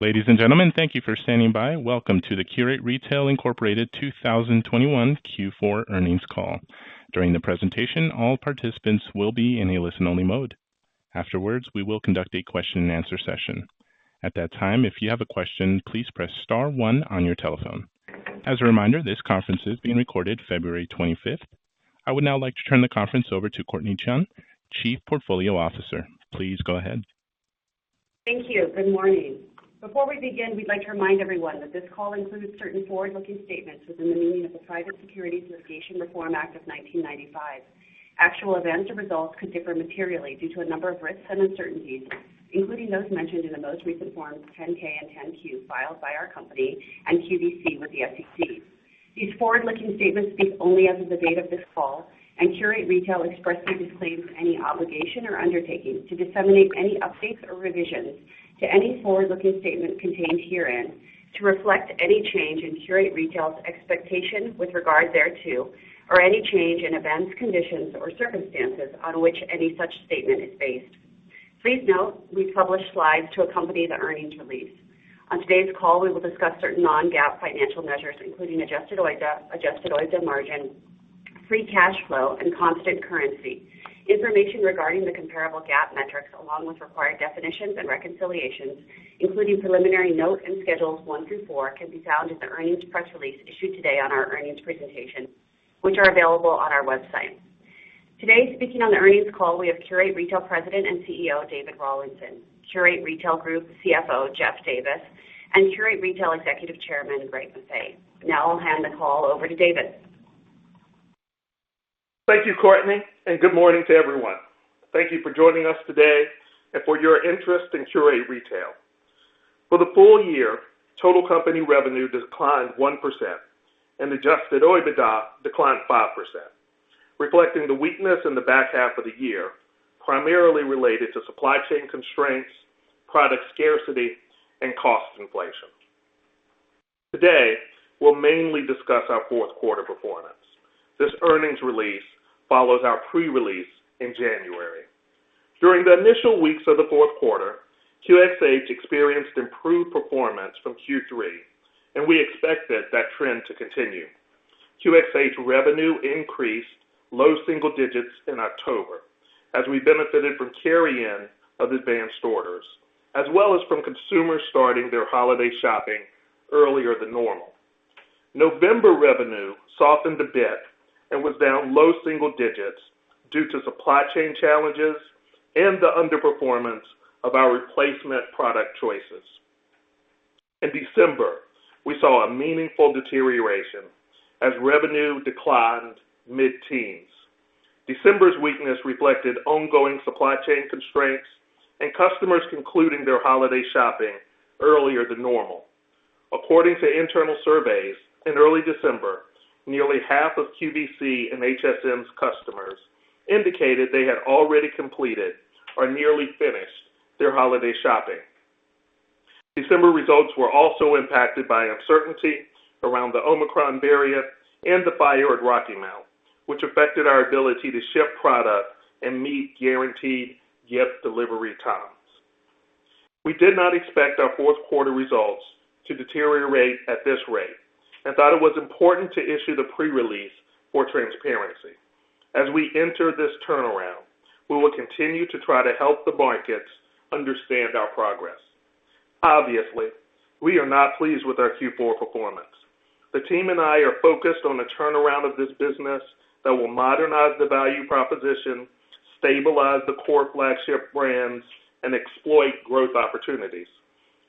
Ladies and gentlemen, thank you for standing by. Welcome to the Qurate Retail, Inc. 2021 Q4 Earnings Call. During the presentation, all participants will be in a listen-only mode. Afterwards, we will conduct a question-and-answer session. At that time, if you have a question, please press star one on your telephone. As a reminder, this conference is being recorded February 25th. I would now like to turn the conference over to Courtnee Chun, Chief Portfolio Officer. Please go ahead. Thank you. Good morning. Before we begin, we'd like to remind everyone that this call includes certain forward-looking statements within the meaning of the Private Securities Litigation Reform Act of 1995. Actual events or results could differ materially due to a number of risks and uncertainties, including those mentioned in the most recent Forms 10-K and 10-Q filed by our company and QVC with the SEC. These forward-looking statements speak only as of the date of this call and Qurate Retail expressly disclaims any obligation or undertaking to disseminate any updates or revisions to any forward-looking statement contained herein to reflect any change in Qurate Retail's expectations with regard thereto or any change in events, conditions or circumstances on which any such statement is based. Please note, we publish slides to accompany the earnings release. On today's call, we will discuss certain non-GAAP financial measures, including adjusted OIBDA, adjusted OIBDA margin, free cash flow and constant currency. Information regarding the comparable GAAP metrics, along with required definitions and reconciliations, including preliminary notes and schedules one through four, can be found at the earnings press release issued today on our earnings presentation which are available on our website. Today, speaking on the earnings call, we have Qurate Retail President and CEO, David Rawlinson, Qurate Retail Group CFO, Jeff Davis, and Qurate Retail Executive Chairman, Greg Maffei. Now I'll hand the call over to David. Thank you, Courtnee, and good morning to everyone. Thank you for joining us today and for your interest in Qurate Retail. For the full year, total company revenue declined 1% and adjusted OIBDA declined 5%, reflecting the weakness in the back half of the year, primarily related to supply chain constraints, product scarcity and cost inflation. Today, we'll mainly discuss our fourth quarter performance. This earnings release follows our pre-release in January. During the initial weeks of the fourth quarter, QxH experienced improved performance from Q3, and we expected that trend to continue. QxH revenue increased low single digits in October as we benefited from carry-in of advanced orders as well as from consumers starting their holiday shopping earlier than normal. November revenue softened a bit and was down low single digits due to supply chain challenges and the underperformance of our replacement product choices. In December, we saw a meaningful deterioration as revenue declined mid-teens. December's weakness reflected ongoing supply chain constraints and customers concluding their holiday shopping earlier than normal. According to internal surveys, in early December, nearly half of QVC and HSN's customers indicated they had already completed or nearly finished their holiday shopping. December results were also impacted by uncertainty around the Omicron variant and the fire at Rocky Mount which affected our ability to ship product and meet guaranteed gift delivery times. We did not expect our fourth quarter results to deteriorate at this rate and thought it was important to issue the pre-release for transparency. As we enter this turnaround, we will continue to try to help the markets understand our progress. Obviously, we are not pleased with our Q4 performance. The team and I are focused on the turnaround of this business that will modernize the value proposition, stabilize the core flagship brands, and exploit growth opportunities.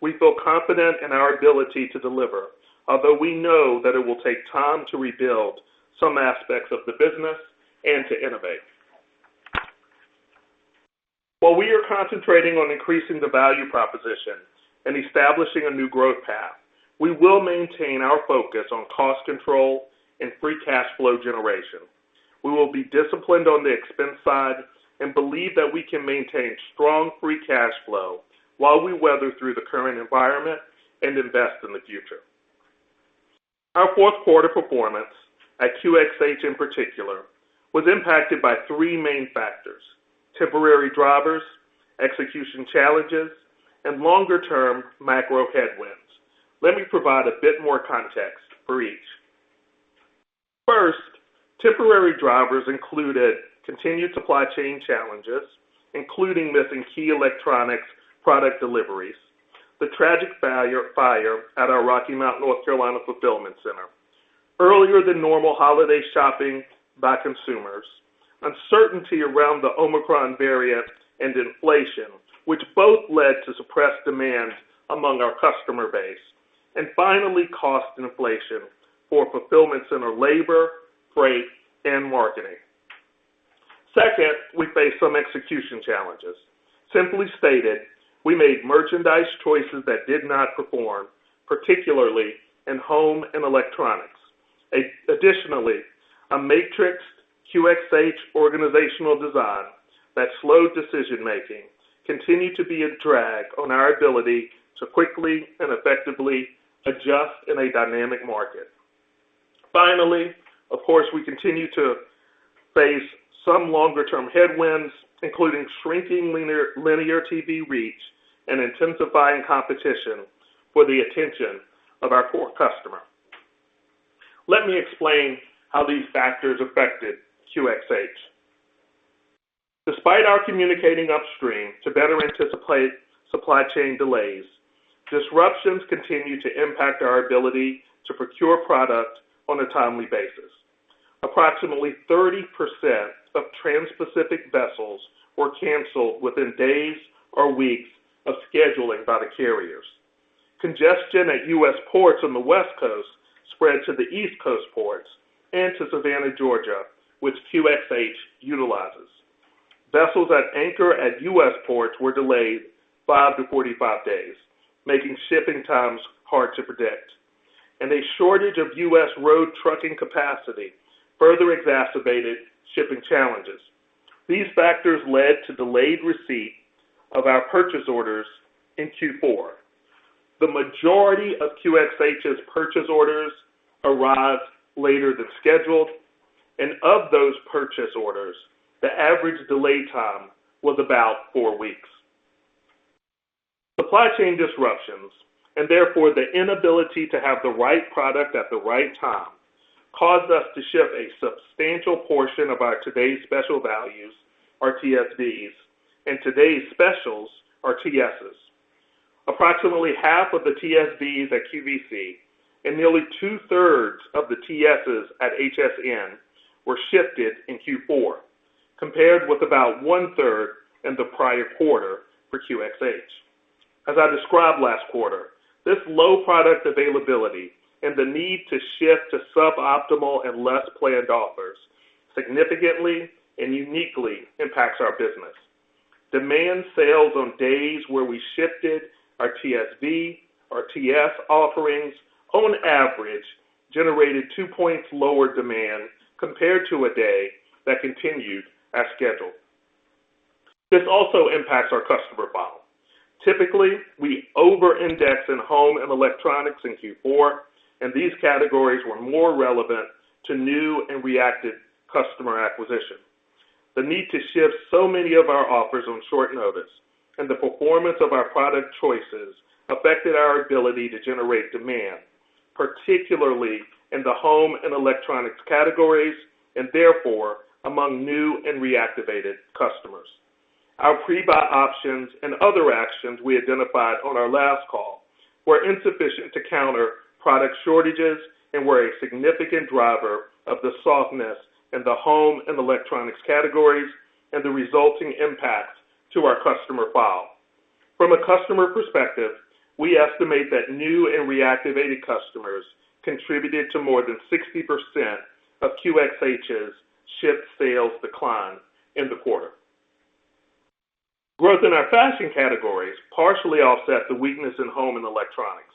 We feel confident in our ability to deliver, although we know that it will take time to rebuild some aspects of the business and to innovate. While we are concentrating on increasing the value proposition and establishing a new growth path, we will maintain our focus on cost control and free cash flow generation. We will be disciplined on the expense side and believe that we can maintain strong free cash flow while we weather through the current environment and invest in the future. Our fourth quarter performance at QxH in particular was impacted by three main factors, temporary drivers, execution challenges and longer-term macro headwinds. Let me provide a bit more context for each. First, temporary drivers included continued supply chain challenges, including missing key electronics product deliveries, the tragic fire at our Rocky Mount, North Carolina, fulfillment center, earlier than normal holiday shopping by consumers, uncertainty around the Omicron variant and inflation which both led to suppressed demand among our customer base and finally cost inflation for fulfillment center labor, freight and marketing. Second, we faced some execution challenges. Simply stated, we made merchandise choices that did not perform, particularly in home and electronics. Additionally, a matrix QxH organizational design that slowed decision-making continued to be a drag on our ability to quickly and effectively adjust in a dynamic market. Finally, of course, we continue to face some longer-term headwinds, including shrinking linear TV reach and intensifying competition for the attention of our core customer. Let me explain how these factors affected QxH. Despite our communicating upstream to better anticipate supply chain delays, disruptions continue to impact our ability to procure product on a timely basis. Approximately 30% of transpacific vessels were canceled within days or weeks of scheduling by the carriers. Congestion at U.S. ports on the West Coast spread to the East Coast ports and to Savannah, Georgia which QxH utilizes. Vessels at anchor at U.S. ports were delayed 5-45 days, making shipping times hard to predict and a shortage of U.S. road trucking capacity further exacerbated shipping challenges. These factors led to delayed receipt of our purchase orders in Q4. The majority of QxH's purchase orders arrived later than scheduled and of those purchase orders, the average delay time was about four weeks. Supply chain disruptions and therefore the inability to have the right product at the right time, caused us to ship a substantial portion of our Today's Special Values, our TSVs and Today's Specials, our TSs. Approximately half of the TSVs at QVC and nearly 2/3 of the TSs at HSN were shifted in Q4, compared with about 1/3 in the prior quarter for QxH. As I described last quarter, this low product availability and the need to shift to suboptimal and less planned offers significantly and uniquely impacts our business. Demand sales on days where we shifted our TSVs, our TSs offerings, on average, generated two points lower demand compared to a day that continued as scheduled. This also impacts our customer file. Typically, we over-index in home and electronics in Q4, and these categories were more relevant to new and reactivated customer acquisition. The need to shift so many of our offers on short notice and the performance of our product choices affected our ability to generate demand, particularly in the home and electronics categories and therefore among new and reactivated customers. Our pre-buy options and other actions we identified on our last call were insufficient to counter product shortages and were a significant driver of the softness in the home and electronics categories and the resulting impacts to our customer file. From a customer perspective, we estimate that new and reactivated customers contributed to more than 60% of QxH's shipped sales decline in the quarter. Growth in our fashion categories partially offset the weakness in home and electronics.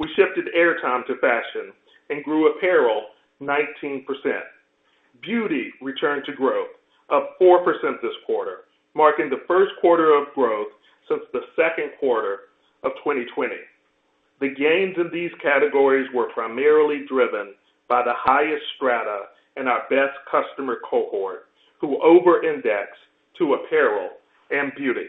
We shifted airtime to fashion and grew apparel 19%. Beauty returned to growth of 4% this quarter, marking the first quarter of growth since the second quarter of 2020. The gains in these categories were primarily driven by the highest strata in our best customer cohort, who over-index to apparel and beauty.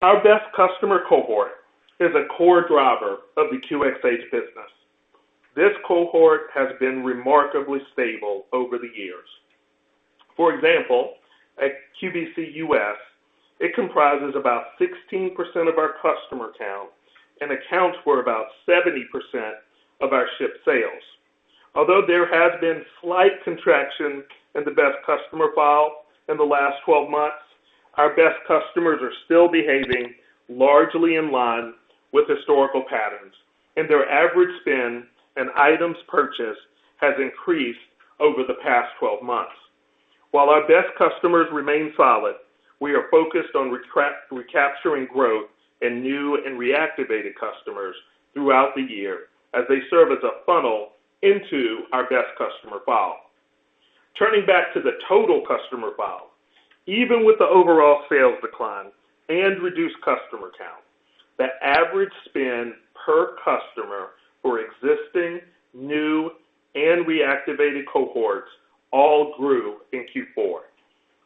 Our best customer cohort is a core driver of the QxH business. This cohort has been remarkably stable over the years. For example, at QVC US, it comprises about 16% of our customer count and accounts for about 70% of our shipped sales. Although there has been slight contraction in the best customer file in the last 12 months, our best customers are still behaving largely in line with historical patterns and their average spend and items purchased has increased over the past 12 months. While our best customers remain solid, we are focused on recapturing growth in new and reactivated customers throughout the year as they serve as a funnel into our best customer file. Turning back to the total customer file, even with the overall sales decline and reduced customer count, the average spend per customer for existing, new, and reactivated cohorts all grew in Q4.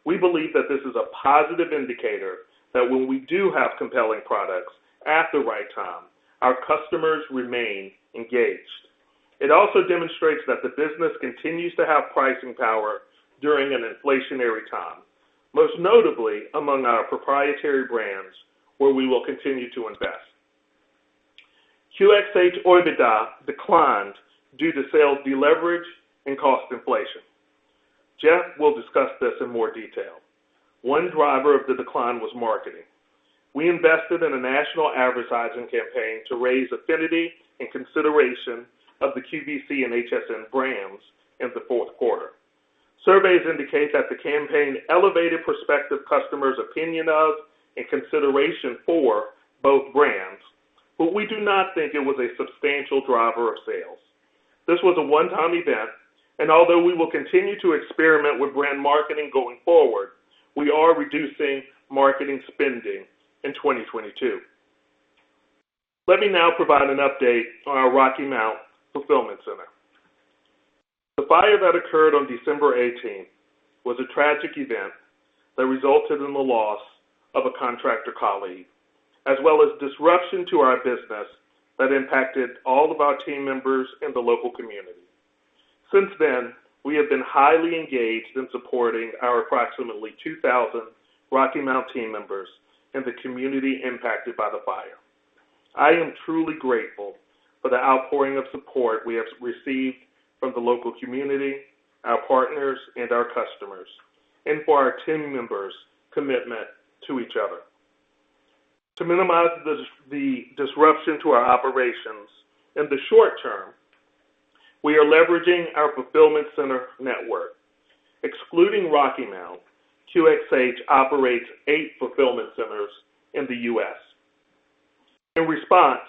We believe that this is a positive indicator that when we do have compelling products at the right time, our customers remain engaged. It also demonstrates that the business continues to have pricing power during an inflationary time, most notably among our proprietary brands where we will continue to invest. QxH OIBDA declined due to sales deleverage and cost inflation. Jeff will discuss this in more detail. One driver of the decline was marketing. We invested in a national advertising campaign to raise affinity and consideration of the QVC and HSN brands in the fourth quarter. Surveys indicate that the campaign elevated prospective customers' opinion of and consideration for both brands but we do not think it was a substantial driver of sales. This was a one-time event and although we will continue to experiment with brand marketing going forward, we are reducing marketing spending in 2022. Let me now provide an update on our Rocky Mount fulfillment center. The fire that occurred on December 18 was a tragic event that resulted in the loss of a contractor colleague, as well as disruption to our business that impacted all of our team members in the local community. Since then, we have been highly engaged in supporting our approximately 2,000 Rocky Mount team members and the community impacted by the fire. I am truly grateful for the outpouring of support we have received from the local community, our partners, and our customers and for our team members' commitment to each other. To minimize the disruption to our operations in the short term, we are leveraging our fulfillment center network. Excluding Rocky Mount, QxH operates eight fulfillment centers in the U.S. In response,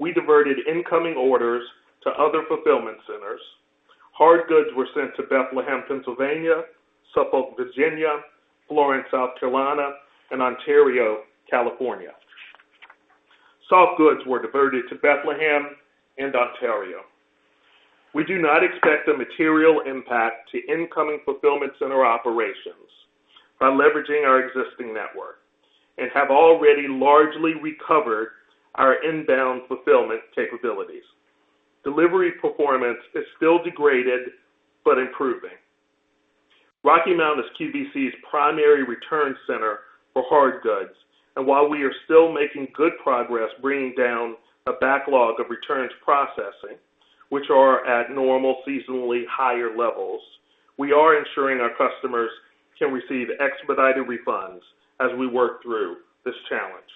we diverted incoming orders to other fulfillment centers. Hard goods were sent to Bethlehem, Pennsylvania, Suffolk, Virginia, Florence, South Carolina and Ontario, California. Soft goods were diverted to Bethlehem and Ontario. We do not expect a material impact to incoming fulfillment center operations by leveraging our existing network and have already largely recovered our inbound fulfillment capabilities. Delivery performance is still degraded but improving. Rocky Mount is QVC's primary return center for hard goods and while we are still making good progress bringing down a backlog of returns processing which are at normal seasonally higher levels, we are ensuring our customers can receive expedited refunds as we work through this challenge.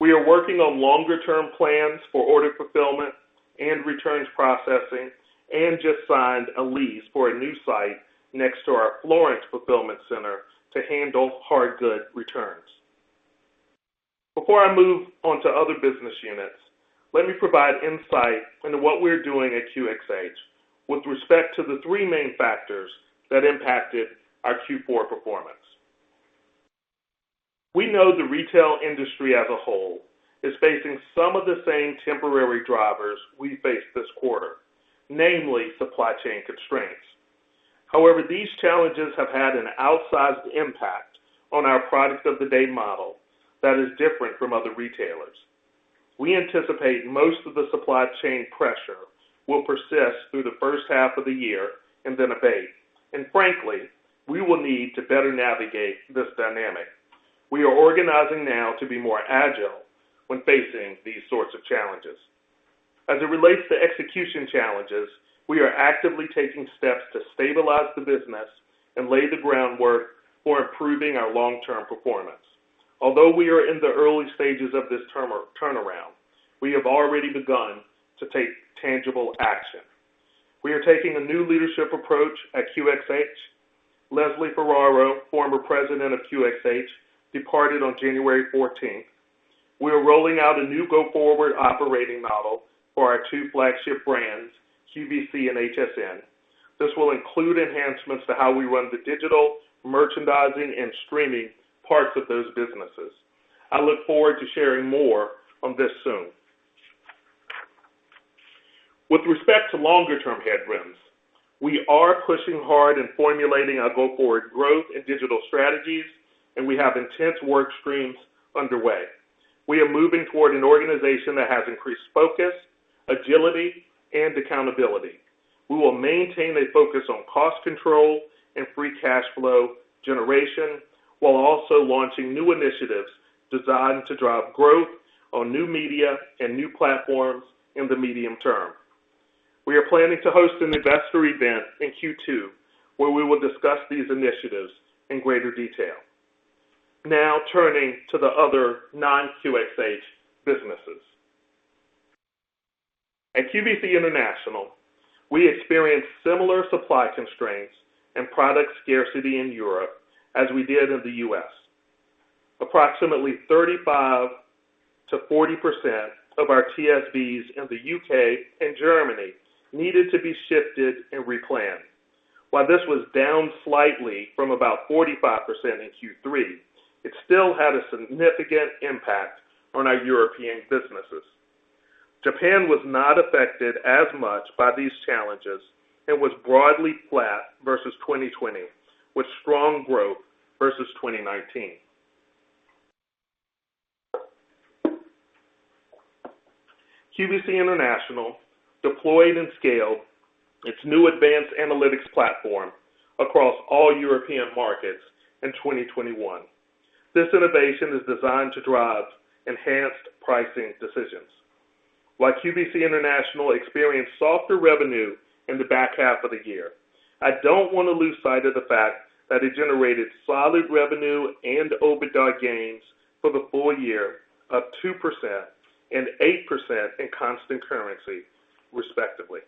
We are working on longer-term plans for order fulfillment and returns processing and just signed a lease for a new site next to our Florence fulfillment center to handle hard goods returns. Before I move on to other business units, let me provide insight into what we're doing at QxH with respect to the three main factors that impacted our Q4 performance. We know the retail industry as a whole is facing some of the same temporary drivers we faced this quarter, namely supply chain constraints. However, these challenges have had an outsized impact on our product of the day model that is different from other retailers. We anticipate most of the supply chain pressure will persist through the first half of the year and then abate. Frankly, we will need to better navigate this dynamic. We are organizing now to be more agile when facing these sorts of challenges. As it relates to execution challenges, we are actively taking steps to stabilize the business and lay the groundwork for improving our long-term performance. Although we are in the early stages of this turnaround, we have already begun to take tangible action. We are taking a new leadership approach at QxH. Leslie Ferraro, former President of QxH, departed on January 14th. We are rolling out a new go-forward operating model for our two flagship brands, QVC and HSN. This will include enhancements to how we run the digital merchandising and streaming parts of those businesses. I look forward to sharing more on this soon. With respect to longer-term headwinds, we are pushing hard in formulating our go-forward growth and digital strategies and we have intense work streams underway. We are moving toward an organization that has increased focus, agility and accountability. We will maintain a focus on cost control and free cash flow generation while also launching new initiatives designed to drive growth on new media and new platforms in the medium term. We are planning to host an investor event in Q2 where we will discuss these initiatives in greater detail. Now turning to the other non-QxH businesses. At QVC International, we experienced similar supply constraints and product scarcity in Europe as we did in the U.S. Approximately 35%-40% of our TSVs in the U.K. and Germany needed to be shifted and replanned. While this was down slightly from about 45% in Q3, it still had a significant impact on our European businesses. Japan was not affected as much by these challenges and was broadly flat versus 2020, with strong growth versus 2019. QVC International deployed and scaled its new advanced analytics platform across all European markets in 2021. This innovation is designed to drive enhanced pricing decisions. While QVC International experienced softer revenue in the back half of the year, I don't want to lose sight of the fact that it generated solid revenue and OIBDA gains for the full year of 2% and 8% in constant currency, respectively.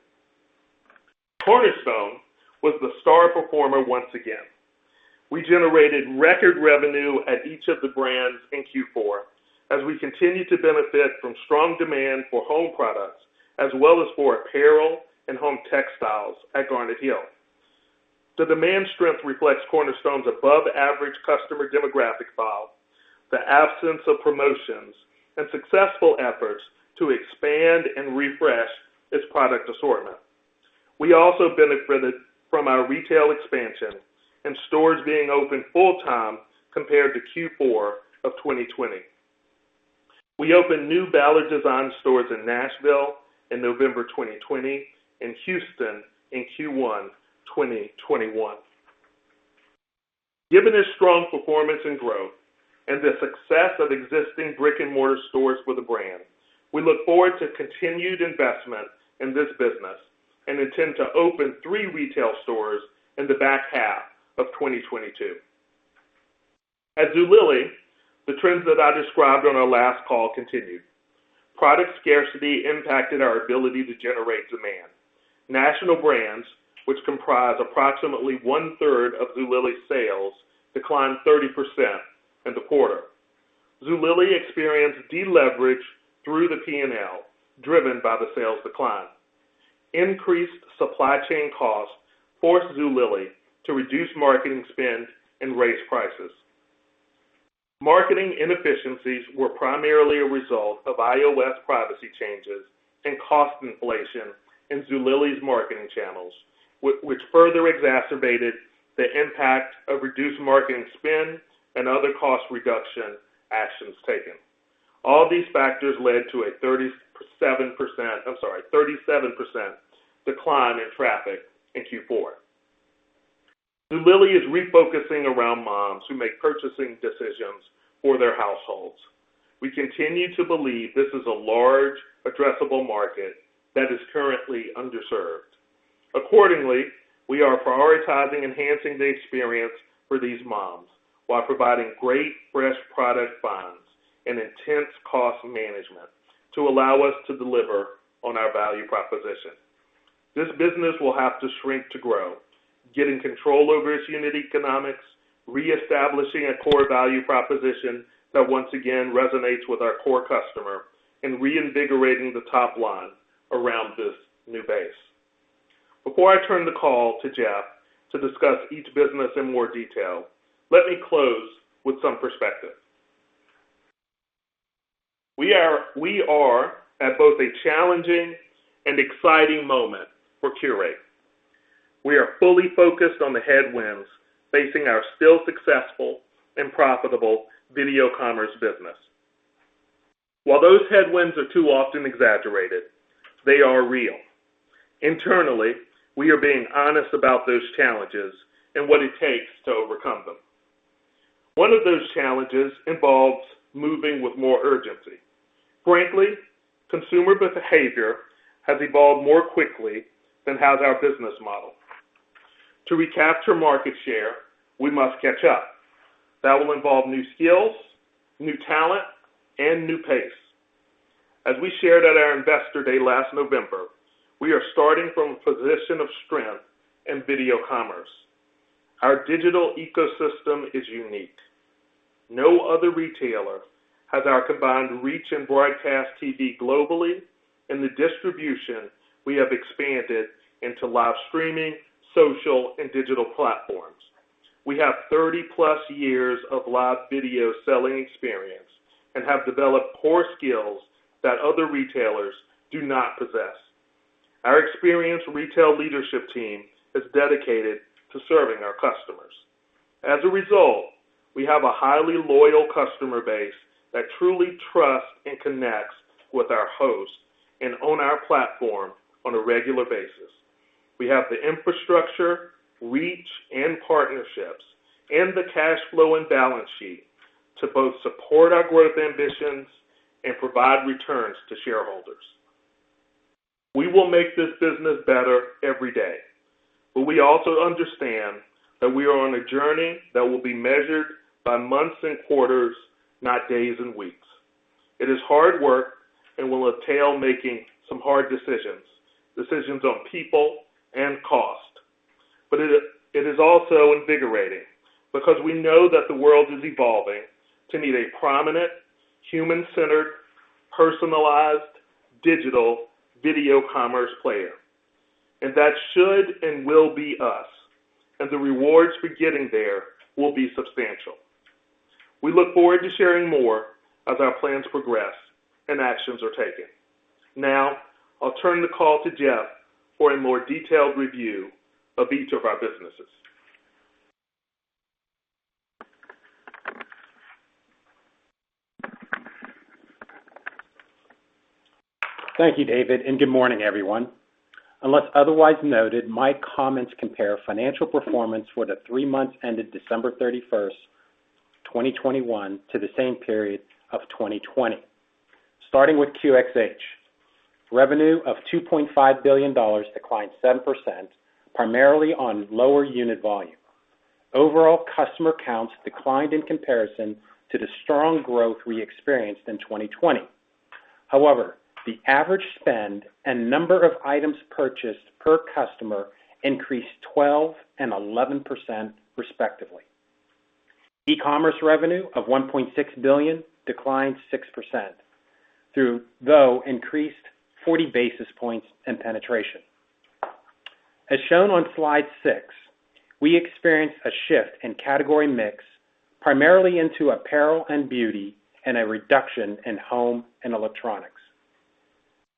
Cornerstone was the star performer once again. We generated record revenue at each of the brands in Q4 as we continue to benefit from strong demand for home products as well as for apparel and home textiles at Garnet Hill. The demand strength reflects Cornerstone's above-average customer demographic file, the absence of promotions, and successful efforts to expand and refresh its product assortment. We also benefited from our retail expansion and stores being open full time compared to Q4 of 2020. We opened new Ballard Designs stores in Nashville in November 2020 and Houston in Q1 2021. Given this strong performance and growth and the success of existing brick-and-mortar stores for the brand, we look forward to continued investment in this business and intend to open three retail stores in the back half of 2022. At Zulily, the trends that I described on our last call continued. Product scarcity impacted our ability to generate demand. National brands which comprise approximately 1/3 of Zulily's sales, declined 30% in the quarter. Zulily experienced deleverage through the P&L, driven by the sales decline. Increased supply chain costs forced Zulily to reduce marketing spend and raise prices. Marketing inefficiencies were primarily a result of iOS privacy changes and cost inflation in Zulily's marketing channels, which further exacerbated the impact of reduced marketing spend and other cost reduction actions taken. All these factors led to a 37% decline in traffic in Q4. Zulily is refocusing around moms who make purchasing decisions for their households. We continue to believe this is a large addressable market that is currently underserved. Accordingly, we are prioritizing enhancing the experience for these moms while providing great fresh product finds and intense cost management to allow us to deliver on our value proposition. This business will have to shrink to grow, getting control over its unit economics, reestablishing a core value proposition that once again resonates with our core customer and reinvigorating the top line around this new base. Before I turn the call to Jeff to discuss each business in more detail, let me close with some perspective. We are at both a challenging and exciting moment for Qurate. We are fully focused on the headwinds facing our still successful and profitable video commerce business. While those headwinds are too often exaggerated, they are real. Internally, we are being honest about those challenges and what it takes to overcome them. One of those challenges involves moving with more urgency. Frankly, consumer behavior has evolved more quickly than has our business model. To recapture market share, we must catch up. That will involve new skills, new talent and new pace. As we shared at our Investor Day last November, we are starting from a position of strength in video commerce. Our digital ecosystem is unique. No other retailer has our combined reach in broadcast TV globally and the distribution we have expanded into live streaming, social, and digital platforms. We have 30+ years of live video selling experience and have developed core skills that other retailers do not possess. Our experienced retail leadership team is dedicated to serving our customers. As a result, we have a highly loyal customer base that truly trusts and connects with our hosts and own our platform on a regular basis. We have the infrastructure, reach, and partnerships and the cash flow and balance sheet to both support our growth ambitions and provide returns to shareholders. We will make this business better every day but we also understand that we are on a journey that will be measured by months and quarters, not days and weeks. It is hard work and will entail making some hard decisions on people and cost. It is also invigorating because we know that the world is evolving to need a prominent, human-centered, personalized digital video commerce player. That should and will be us and the rewards for getting there will be substantial. We look forward to sharing more as our plans progress and actions are taken. Now, I'll turn the call to Jeff for a more detailed review of each of our businesses. Thank you, David, and good morning, everyone. Unless otherwise noted, my comments compare financial performance for the three months ended December 31, 2021 to the same period of 2020. Starting with QxH, revenue of $2.5 billion declined 7%, primarily on lower unit volume. Overall customer counts declined in comparison to the strong growth we experienced in 2020. However, the average spend and number of items purchased per customer increased 12% and 11% respectively. E-commerce revenue of $1.6 billion declined 6%, though increased 40 basis points in penetration. As shown on slide six, we experienced a shift in category mix, primarily into apparel and beauty and a reduction in home and electronics.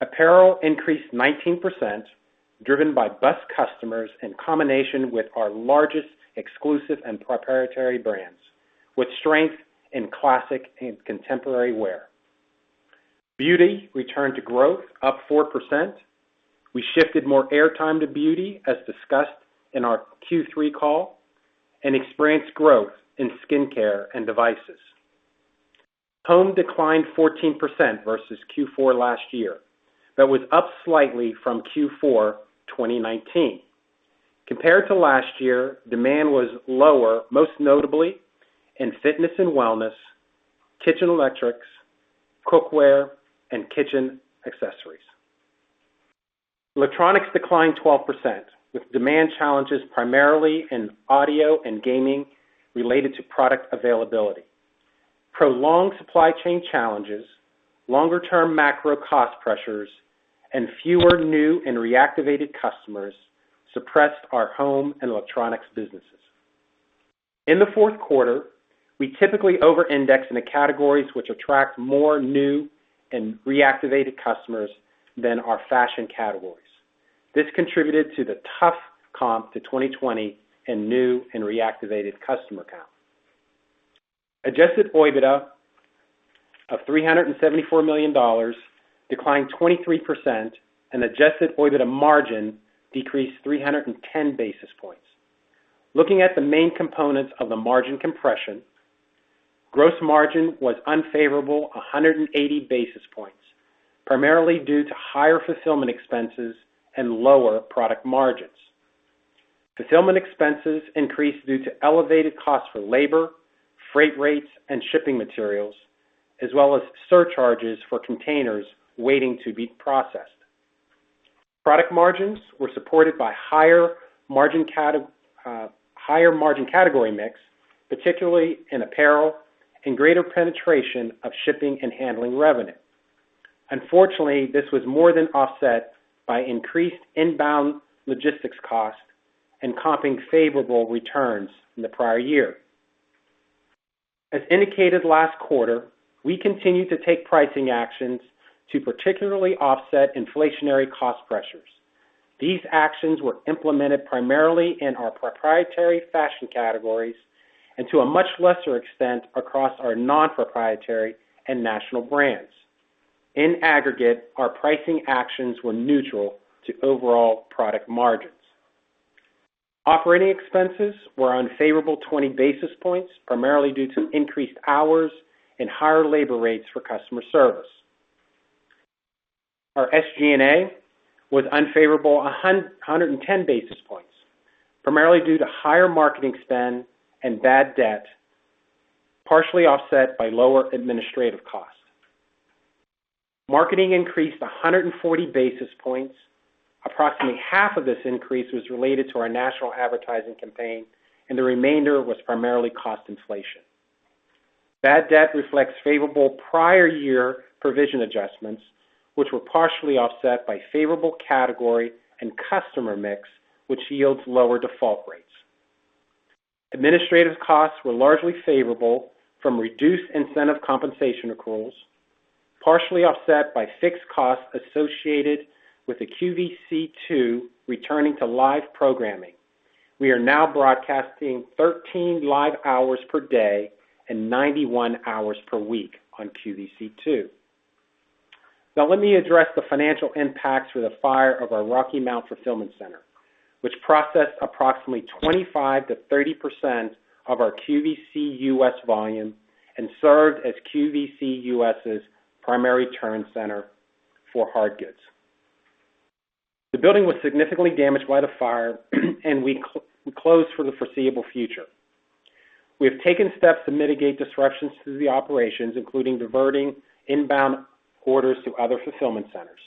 Apparel increased 19%, driven by best customers in combination with our largest exclusive and proprietary brands with strength in classic and contemporary wear. Beauty returned to growth, up 4%. We shifted more airtime to beauty, as discussed in our Q3 call and experienced growth in skincare and devices. Home declined 14% versus Q4 last year but was up slightly from Q4 2019. Compared to last year, demand was lower, most notably in fitness and wellness, kitchen electrics, cookware and kitchen accessories. Electronics declined 12% with demand challenges primarily in audio and gaming related to product availability. Prolonged supply chain challenges, longer-term macro cost pressures and fewer new and reactivated customers suppressed our home and electronics businesses. In the fourth quarter, we typically over-index in the categories which attract more new and reactivated customers than our fashion categories. This contributed to the tough comp to 2020 in new and reactivated customer count. Adjusted OIBDA of $374 million declined 23% and adjusted OIBDA margin decreased 310 basis points. Looking at the main components of the margin compression, gross margin was unfavorable 180 basis points, primarily due to higher fulfillment expenses and lower product margins. Fulfillment expenses increased due to elevated costs for labor, freight rates and shipping materials, as well as surcharges for containers waiting to be processed. Product margins were supported by higher margin category mix, particularly in apparel and greater penetration of shipping and handling revenue. Unfortunately, this was more than offset by increased inbound logistics costs and comping favorable returns in the prior year. As indicated last quarter, we continued to take pricing actions to particularly offset inflationary cost pressures. These actions were implemented primarily in our proprietary fashion categories and to a much lesser extent across our non-proprietary and national brands. In aggregate, our pricing actions were neutral to overall product margins. Operating expenses were unfavorable 20 basis points, primarily due to increased hours and higher labor rates for customer service. Our SG&A was unfavorable 110 basis points, primarily due to higher marketing spend and bad debt, partially offset by lower administrative costs. Marketing increased 140 basis points. Approximately half of this increase was related to our national advertising campaign and the remainder was primarily cost inflation. Bad debt reflects favorable prior year provision adjustments which were partially offset by favorable category and customer mix which yields lower default rates. Administrative costs were largely favorable from reduced incentive compensation accruals, partially offset by fixed costs associated with the QVC2 returning to live programming. We are now broadcasting 13 live hours per day and 91 hours per week on QVC2. Now let me address the financial impacts from the fire of our Rocky Mount fulfillment center which processed approximately 25%-30% of our QVC US volume and served as QVC US's primary return center for hard goods. The building was significantly damaged by the fire and will close for the foreseeable future. We have taken steps to mitigate disruptions to the operations, including diverting inbound orders to other fulfillment centers.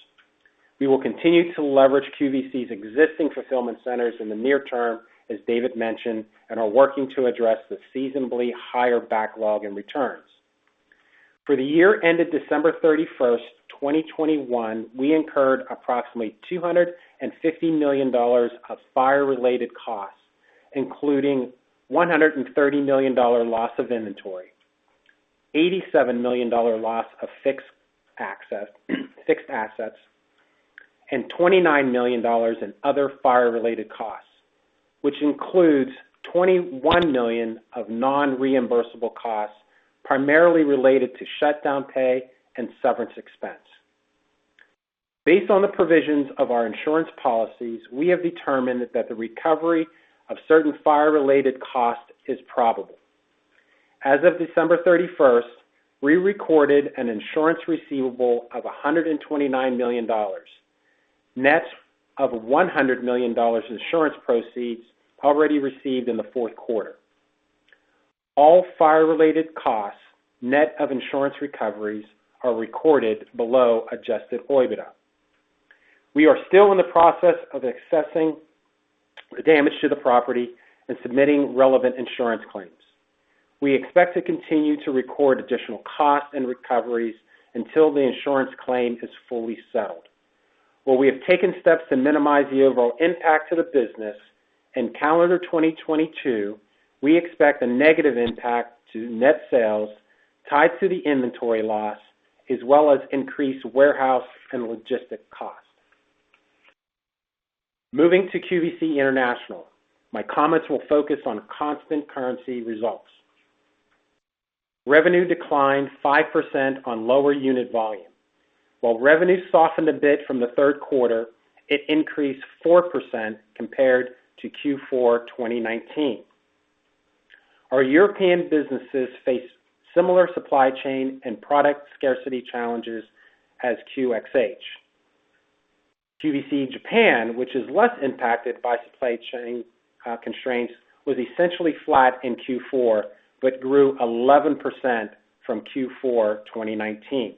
We will continue to leverage QVC's existing fulfillment centers in the near term, as David mentioned and are working to address the seasonally higher backlog in returns. For the year ended December 31, 2021, we incurred approximately $250 million of fire-related costs, including $130 million dollar loss of inventory, $87 million dollar loss of fixed assets and $29 million in other fire-related costs which includes $21 million of non-reimbursable costs, primarily related to shutdown pay and severance expense. Based on the provisions of our insurance policies, we have determined that the recovery of certain fire-related costs is probable. As of December 31st, we recorded an insurance receivable of $129 million, net of $100 million insurance proceeds already received in the fourth quarter. All fire-related costs, net of insurance recoveries, are recorded below adjusted OIBDA. We are still in the process of assessing the damage to the property and submitting relevant insurance claims. We expect to continue to record additional costs and recoveries until the insurance claim is fully settled. While we have taken steps to minimize the overall impact to the business, in calendar 2022, we expect a negative impact to net sales tied to the inventory loss, as well as increased warehouse and logistic costs. Moving to QVC International, my comments will focus on constant currency results. Revenue declined 5% on lower unit volume. While revenue softened a bit from the third quarter, it increased 4% compared to Q4 2019. Our European businesses face similar supply chain and product scarcity challenges as QxH. QVC Japan, which is less impacted by supply chain constraints was essentially flat in Q4 but grew 11% from Q4 2019.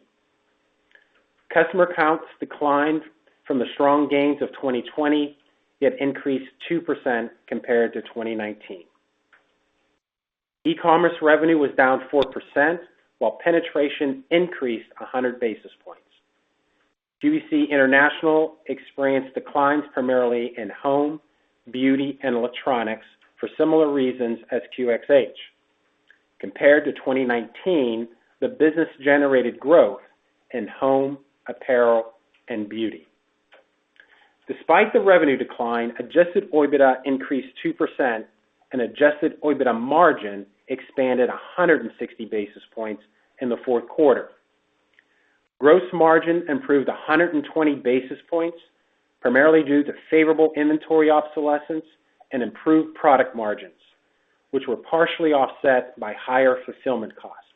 Customer counts declined from the strong gains of 2020, yet increased 2% compared to 2019. E-commerce revenue was down 4% while penetration increased 100 basis points. QVC International experienced declines primarily in home, beauty and electronics for similar reasons as QxH. Compared to 2019, the business generated growth in home, apparel and beauty. Despite the revenue decline, adjusted OIBDA increased 2% and adjusted OIBDA margin expanded 160 basis points in the fourth quarter. Gross margin improved 120 basis points, primarily due to favorable inventory obsolescence and improved product margins which were partially offset by higher fulfillment costs.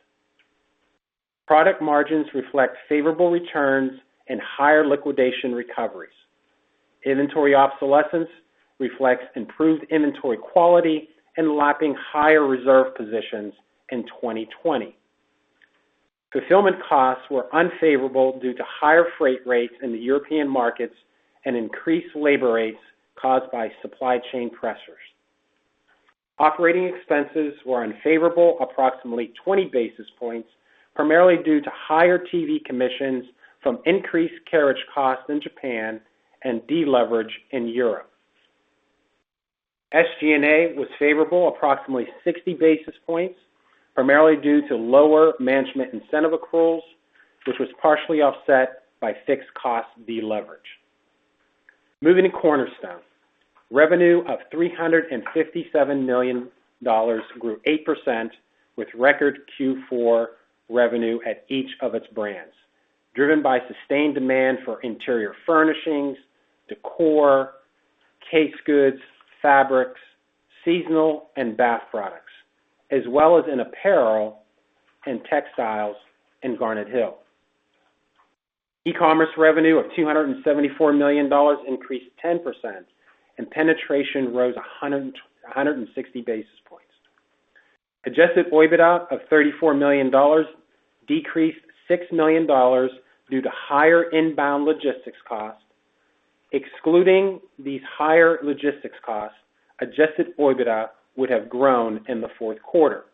Product margins reflect favorable returns and higher liquidation recoveries. Inventory obsolescence reflects improved inventory quality and lapping higher reserve positions in 2020. Fulfillment costs were unfavorable due to higher freight rates in the European markets and increased labor rates caused by supply chain pressures. Operating expenses were unfavorable approximately 20 basis points, primarily due to higher TV commissions from increased carriage costs in Japan and deleverage in Europe. SG&A was favorable approximately 60 basis points, primarily due to lower management incentive accruals which was partially offset by fixed cost deleverage. Moving to Cornerstone. Revenue of $357 million grew 8% with record Q4 revenue at each of its brands, driven by sustained demand for interior furnishings, decor, case goods, fabrics, seasonal and bath products, as well as in apparel and textiles in Garnet Hill. E-commerce revenue of $274 million increased 10% and penetration rose 160 basis points. Adjusted OIBDA of $34 million decreased $6 million due to higher inbound logistics costs. Excluding these higher logistics costs, adjusted OIBDA would have grown in the fourth quarter.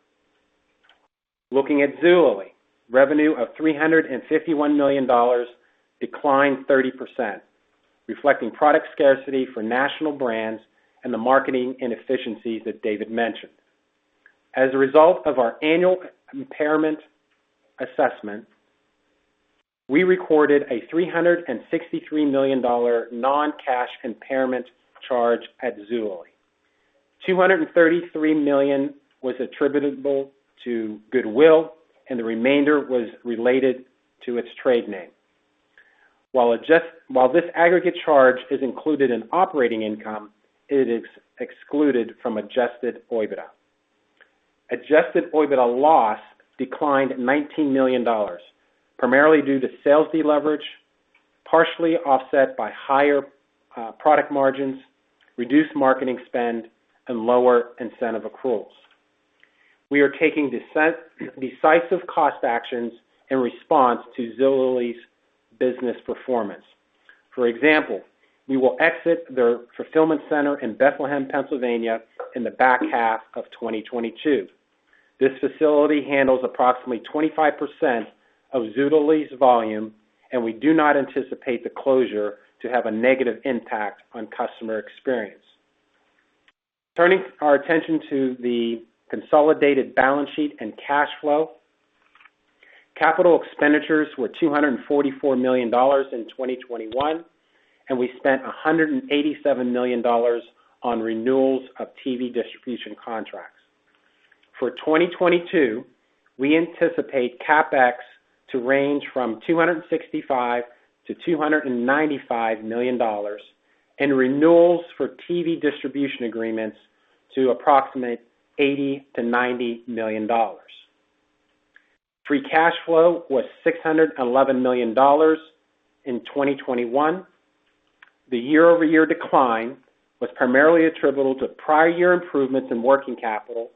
Looking at Zulily. Revenue of $351 million declined 30%, reflecting product scarcity for national brands and the marketing inefficiencies that David mentioned. As a result of our annual impairment assessment, we recorded a $363 million non-cash impairment charge at Zulily. $233 million was attributable to goodwill and the remainder was related to its trade name. While this aggregate charge is included in operating income, it is excluded from adjusted OIBDA. Adjusted OIBDA loss declined $19 million, primarily due to sales deleverage, partially offset by higher product margins, reduced marketing spend and lower incentive accruals. We are taking decisive cost actions in response to Zulily's business performance. For example, we will exit their fulfillment center in Bethlehem, Pennsylvania in the back half of 2022. This facility handles approximately 25% of Zulily's volume, and we do not anticipate the closure to have a negative impact on customer experience. Turning our attention to the consolidated balance sheet and cash flow. Capital expenditures were $244 million in 2021, and we spent $187 million on renewals of TV distribution contracts. For 2022, we anticipate CapEx to range from $265 million-$295 million and renewals for TV distribution agreements to approximate $80 million-$90 million. Free cash flow was $611 million in 2021. The year-over-year decline was primarily attributable to prior year improvements in working capital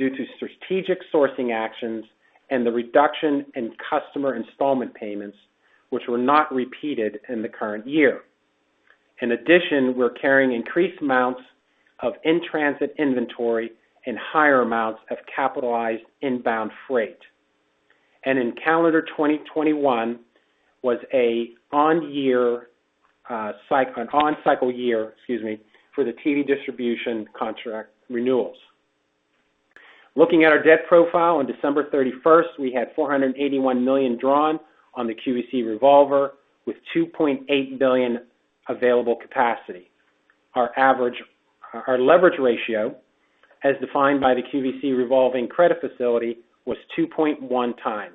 due to strategic sourcing actions and the reduction in customer installment payments which were not repeated in the current year. In addition, we're carrying increased amounts of in-transit inventory and higher amounts of capitalized inbound freight. In calendar 2021 was an on-cycle year, excuse me, for the TV distribution contract renewals. Looking at our debt profile on December 31st, we had $481 million drawn on the QVC revolver with $2.8 billion available capacity. Our leverage ratio, as defined by the QVC revolving credit facility, was 2.1x,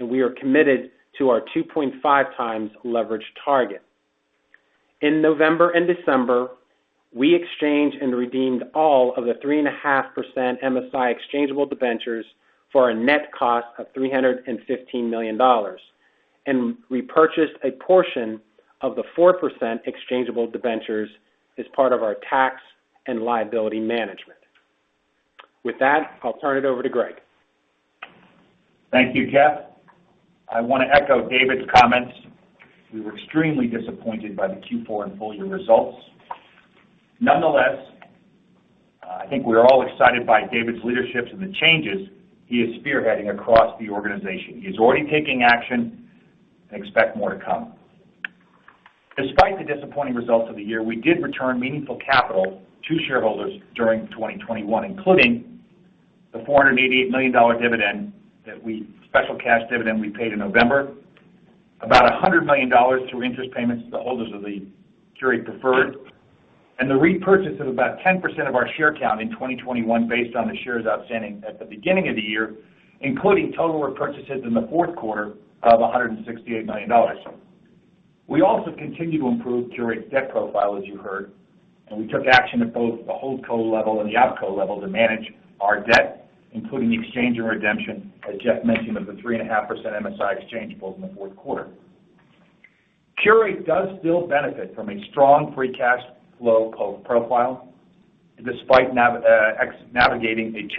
and we are committed to our 2.5x leverage target. In November and December, we exchanged and redeemed all of the 3.5% MSI exchangeable debentures for a net cost of $315 million, repurchased a portion of the 4% exchangeable debentures as part of our tax and liability management. With that, I'll turn it over to Greg. Thank you, Jeff. I wanna echo David's comments. We were extremely disappointed by the Q4 and full year results. Nonetheless, I think we're all excited by David's leadership and the changes he is spearheading across the organization. He's already taking action and expect more to come. Despite the disappointing results of the year, we did return meaningful capital to shareholders during 2021, including the $488 million special cash dividend we paid in November. About $100 million through interest payments to the holders of the Qurate preferred and the repurchase of about 10% of our share count in 2021 based on the shares outstanding at the beginning of the year, including total repurchases in the fourth quarter of $168 million. We also continue to improve Qurate's debt profile, as you heard, and we took action at both the holdco level and the opco level to manage our debt, including the exchange and redemption, as Jeff mentioned, of the 3.5% MSI exchangeable in the fourth quarter. Qurate does still benefit from a strong free cash flow profile despite navigating a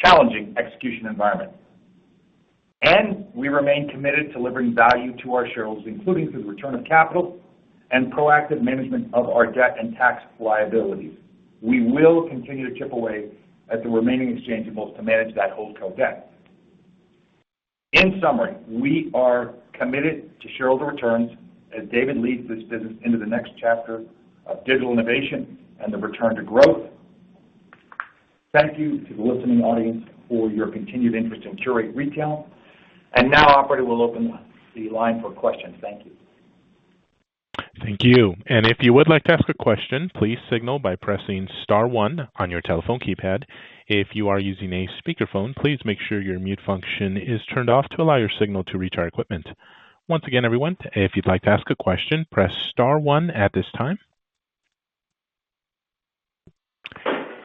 challenging execution environment. We remain committed to delivering value to our shareholders, including through the return of capital and proactive management of our debt and tax liabilities. We will continue to chip away at the remaining exchangeables to manage that holdco debt. In summary, we are committed to shareholder returns as David leads this business into the next chapter of digital innovation and the return to growth. Thank you to the listening audience for your continued interest in Qurate Retail. Now operator will open the line for questions. Thank you. Thank you. If you would like to ask a question, please signal by pressing star one on your telephone keypad. If you are using a speakerphone, please make sure your mute function is turned off to allow your signal to reach our equipment. Once again, everyone, if you'd like to ask a question, press star one at this time.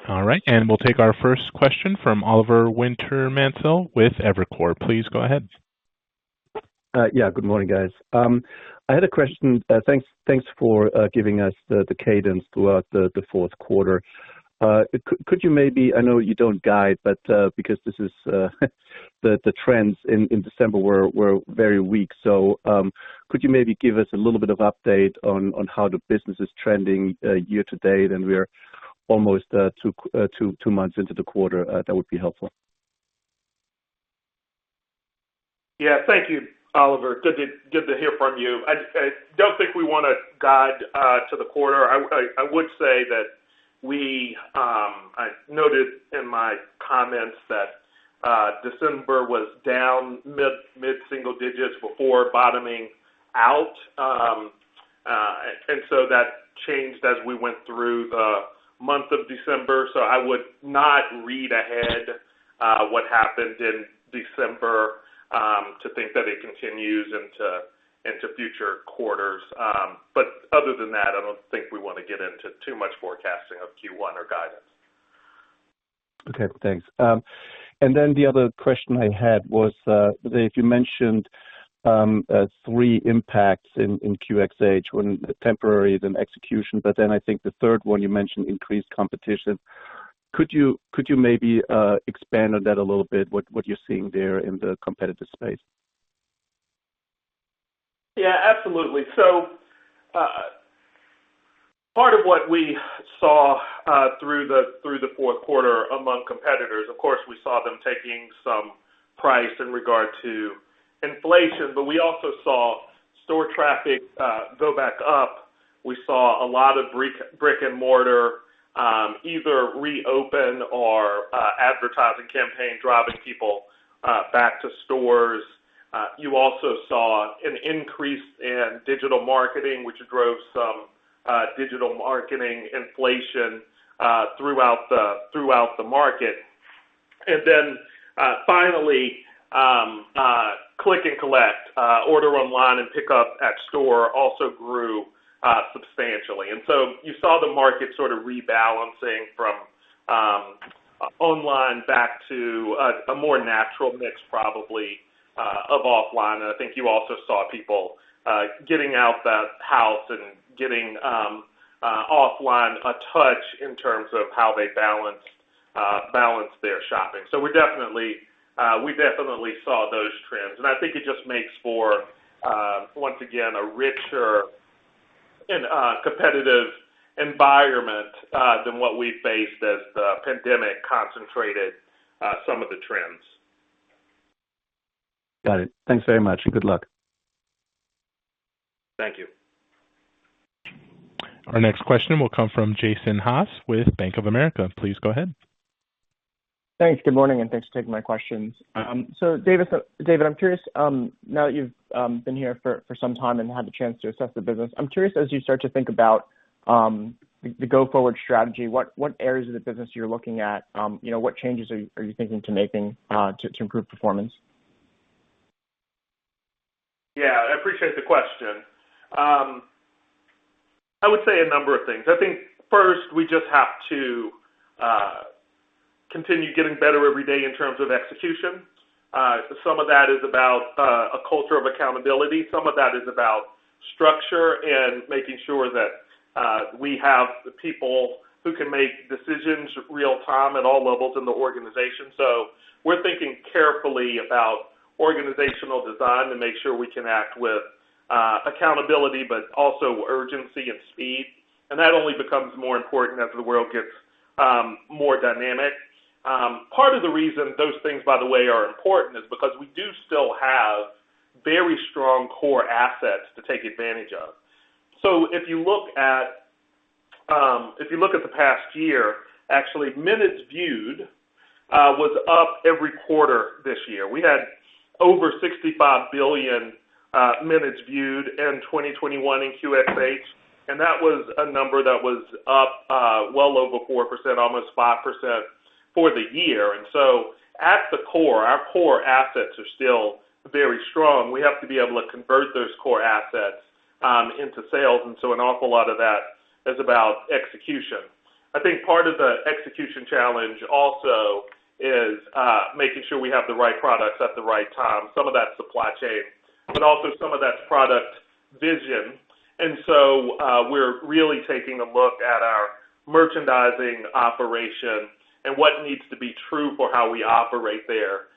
All right. We'll take our first question from Oliver Wintermantel with Evercore. Please go ahead. Yeah, good morning, guys. I had a question. Thanks for giving us the cadence throughout the fourth quarter. I know you don't guide but because the trends in December were very weak, could you maybe give us a little bit of update on how the business is trending year to date? We're almost two months into the quarter. That would be helpful. Yeah. Thank you, Oliver. Good to hear from you. I don't think we wanna guide to the quarter. I would say that I noted in my comments that December was down mid-single digits before bottoming out. That changed as we went through the month of December. I would not read ahead what happened in December to think that it continues into future quarters. Other than that, I don't think we wanna get into too much forecasting of Q1 or guidance. Okay, thanks. The other question I had was, David, you mentioned three impacts in QxH: one temporary, then execution. I think the third one you mentioned, increased competition. Could you maybe expand on that a little bit, what you're seeing there in the competitive space? Yeah, absolutely. Part of what we saw through the fourth quarter among competitors, of course, we saw them taking some price in regard to inflation but we also saw store traffic go back up. We saw a lot of brick-and-mortar either reopen or advertising campaign driving people back to stores. You also saw an increase in digital marketing which drove some digital marketing inflation throughout the market. Finally, click and collect, order online and pickup at store also grew substantially. You saw the market sort of rebalancing from Online back to a more natural mix probably of offline. I think you also saw people getting out of the house and giving offline a touch in terms of how they balance their shopping. We definitely saw those trends and I think it just makes for once again a richer and competitive environment than what we faced as the pandemic concentrated some of the trends. Got it. Thanks very much and good luck. Thank you. Our next question will come from Jason Haas with Bank of America. Please go ahead. Thanks. Good morning and thanks for taking my questions. David, I'm curious, now that you've been here for some time and had the chance to assess the business, I'm curious as you start to think about the go-forward strategy, what areas of the business you're looking at, you know, what changes are you thinking to making, to improve performance? Yeah, I appreciate the question. I would say a number of things. I think first, we just have to continue getting better every day in terms of execution. Some of that is about a culture of accountability. Some of that is about structure and making sure that we have the people who can make decisions real time at all levels in the organization. So we're thinking carefully about organizational design to make sure we can act with accountability, but also urgency and speed. That only becomes more important as the world gets more dynamic. Part of the reason those things, by the way, are important is because we do still have very strong core assets to take advantage of. If you look at the past year, actually minutes viewed was up every quarter this year. We had over 65 billion minutes viewed in 2021 in QxH and that was a number that was up well over 4%, almost 5% for the year. At the core, our core assets are still very strong. We have to be able to convert those core assets into sales and so an awful lot of that is about execution. I think part of the execution challenge also is making sure we have the right products at the right time, some of that's supply chain but also some of that's product vision. We're really taking a look at our merchandising operation and what needs to be true for how we operate there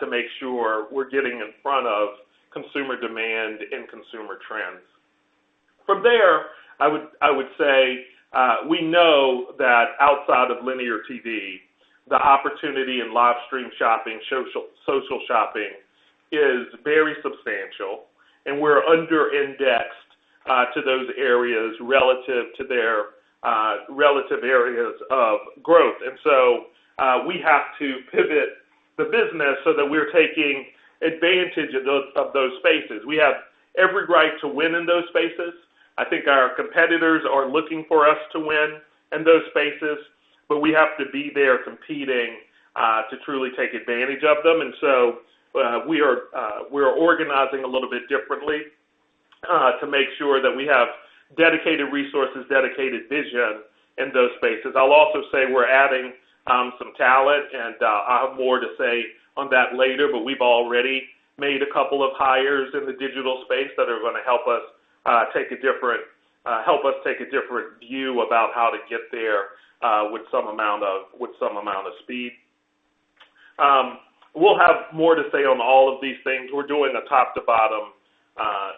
to make sure we're getting in front of consumer demand and consumer trends. From there, I would say we know that outside of linear TV, the opportunity in live stream shopping, social shopping is very substantial and we're under-indexed to those areas relative to their relative areas of growth. We have to pivot the business so that we're taking advantage of those spaces. We have every right to win in those spaces. I think our competitors are looking for us to win in those spaces but we have to be there competing to truly take advantage of them. We are organizing a little bit differently to make sure that we have dedicated resources, dedicated vision in those spaces. I'll also say we're adding some talent, and I'll have more to say on that later, but we've already made a couple of hires in the digital space that are gonna help us take a different view about how to get there with some amount of speed. We'll have more to say on all of these things. We're doing a top-to-bottom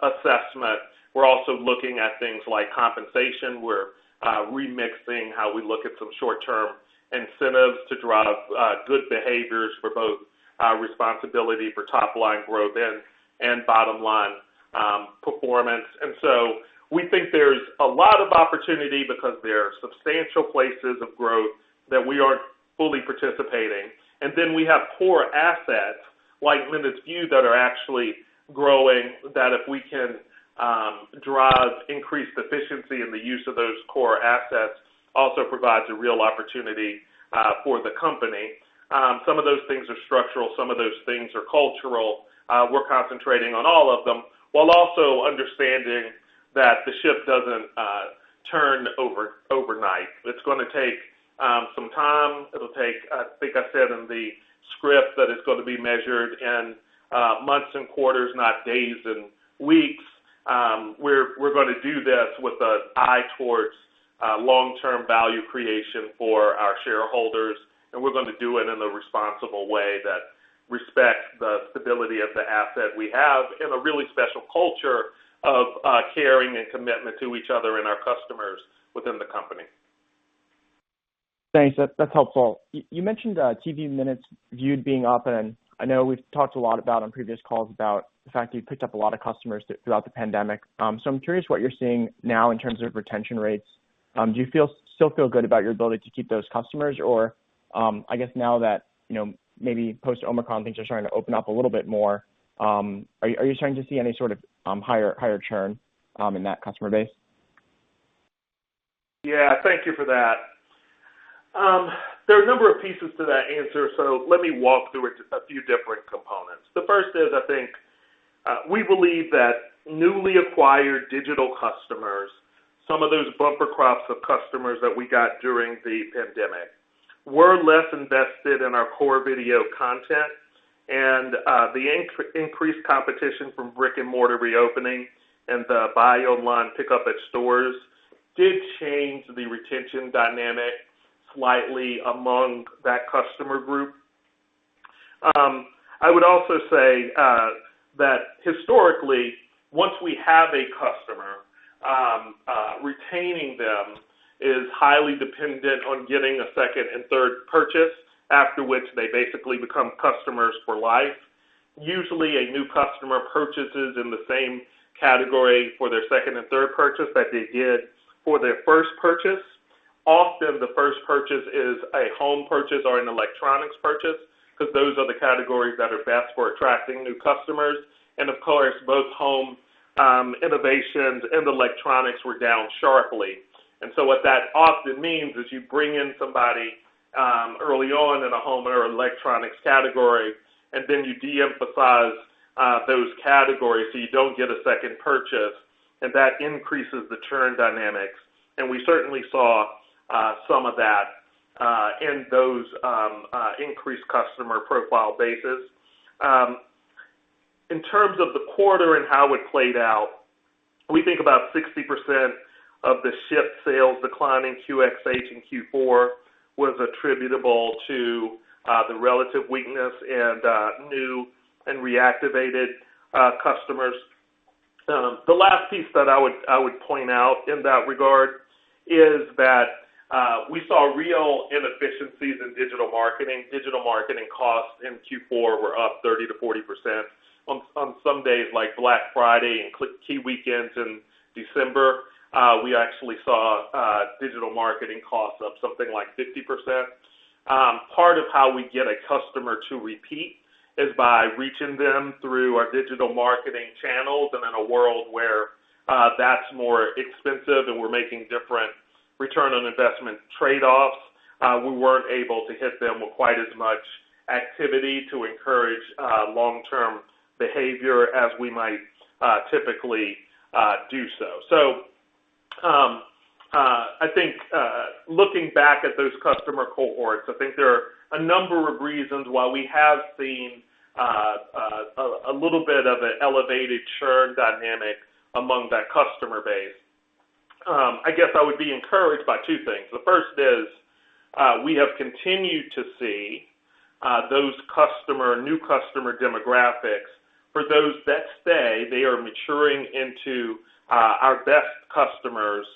assessment. We're also looking at things like compensation. We're remixing how we look at some short-term incentives to drive good behaviors for both responsibility for top-line growth and bottom line performance. We think there's a lot of opportunity because there are substantial places of growth that we aren't fully participating. Then we have core assets like minutes viewed that are actually growing, that if we can drive increased efficiency in the use of those core assets, also provides a real opportunity for the company. Some of those things are structural, some of those things are cultural. We're concentrating on all of them while also understanding that the ship doesn't turn overnight. It's gonna take some time. I think I said in the script that it's gonna be measured in months and quarters, not days and weeks. We're gonna do this with an eye towards long-term value creation for our shareholders and we're gonna do it in a responsible way that respects the stability of the asset we have and a really special culture of caring and commitment to each other and our customers within the company. Thanks. That's helpful. You mentioned TV minutes viewed being up and I know we've talked a lot about on previous calls about the fact that you've picked up a lot of customers throughout the pandemic. So I'm curious what you're seeing now in terms of retention rates. Do you still feel good about your ability to keep those customers? Or I guess now that you know, maybe post Omicron, things are starting to open up a little bit more, are you starting to see any sort of higher churn in that customer base? Yeah. Thank you for that. There are a number of pieces to that answer, so let me walk through it, just a few different components. The first is we believe that newly acquired digital customers, some of those bumper crops of customers that we got during the pandemic were less invested in our core video content and the increased competition from brick-and-mortar reopening and the buy online pickup at stores did change the retention dynamic slightly among that customer group. I would also say that historically, once we have a customer, retaining them is highly dependent on getting a second and third purchase, after which they basically become customers for life. Usually, a new customer purchases in the same category for their second and third purchase that they did for their first purchase. Often, the first purchase is a home purchase or an electronics purchase because those are the categories that are best for attracting new customers. Of course, both home innovations and electronics were down sharply. What that often means is you bring in somebody early on in a home or electronics category, and then you de-emphasize those categories, so you don't get a second purchase, and that increases the churn dynamics. We certainly saw some of that in those increased customer profile bases. In terms of the quarter and how it played out, we think about 60% of the ship sales decline in QxH in Q4 was attributable to the relative weakness in new and reactivated customers. The last piece that I would point out in that regard is that we saw real inefficiencies in digital marketing. Digital marketing costs in Q4 were up 30%-40%. On some days, like Black Friday and key weekends in December, we actually saw digital marketing costs up something like 50%. Part of how we get a customer to repeat is by reaching them through our digital marketing channels. In a world where that's more expensive and we're making different return on investment trade-offs, we weren't able to hit them with quite as much activity to encourage long-term behavior as we might typically do so. I think looking back at those customer cohorts, I think there are a number of reasons why we have seen a little bit of an elevated churn dynamic among that customer base. I guess I would be encouraged by two things. The first is we have continued to see those new customer demographics. For those that stay, they are maturing into our best customers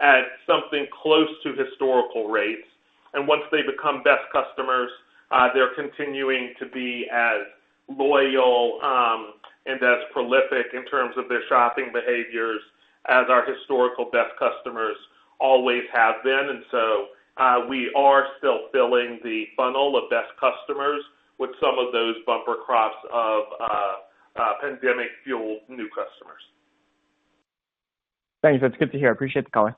at something close to historical rates. Once they become best customers, they're continuing to be as loyal and as prolific in terms of their shopping behaviors as our historical best customers always have been. We are still filling the funnel of best customers with some of those bumper crops of pandemic-fueled new customers. Thanks. That's good to hear. Appreciate the color.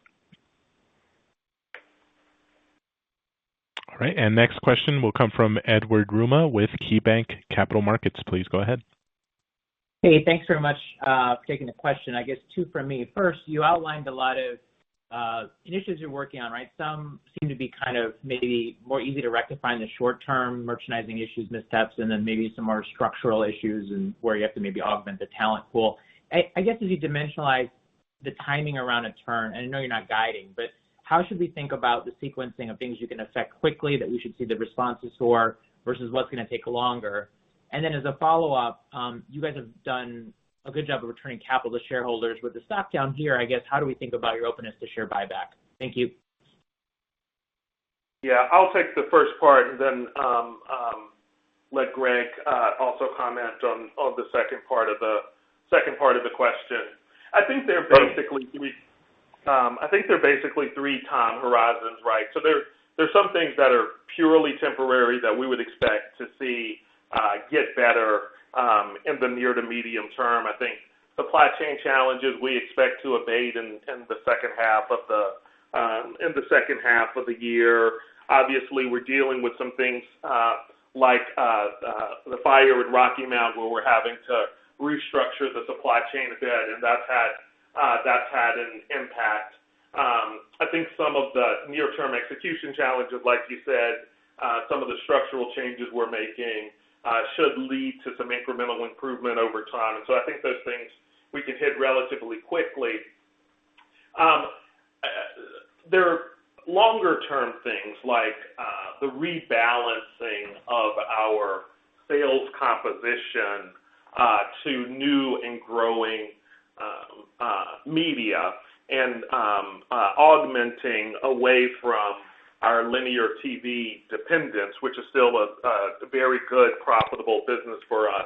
All right, next question will come from Edward Yruma with KeyBanc Capital Markets. Please go ahead. Hey, thanks very much for taking the question. I guess two from me. First, you outlined a lot of initiatives you're working on, right? Some seem to be kind of maybe more easy to rectify in the short term, merchandising issues, missteps and then maybe some more structural issues and where you have to maybe augment the talent pool. I guess as you dimensionalize the timing around a turn and I know you're not guiding but how should we think about the sequencing of things you can affect quickly that we should see the responses for versus what's gonna take longer? And then as a follow-up, you guys have done a good job of returning capital to shareholders. With the stock down here, I guess, how do we think about your openness to share buyback? Thank you. Yeah. I'll take the first part, then let Greg also comment on the second part of the question. I think there are basically three time horizons, right? There's some things that are purely temporary that we would expect to see get better in the near to medium term. I think supply chain challenges we expect to abate in the second half of the year. Obviously, we're dealing with some things like the fire at Rocky Mount where we're having to restructure the supply chain a bit and that's had an impact. I think some of the near-term execution challenges, like you said, some of the structural changes we're making, should lead to some incremental improvement over time. I think those things we can hit relatively quickly. There are longer-term things like the rebalancing of our sales composition to new and growing media and augmenting away from our linear TV dependence which is still a very good profitable business for us.